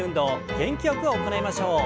元気よく行いましょう。